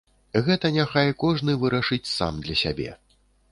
Гэта няхай кожны вырашыць сам для сябе.